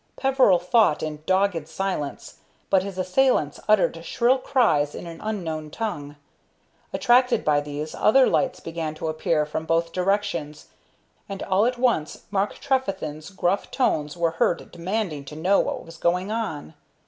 Peveril fought in dogged silence, but his assailants uttered shrill cries in an unknown tongue. Attracted by these, other lights began to appear from both directions, and all at once Mark Trefethen's gruff tones were heard demanding to know what was going on.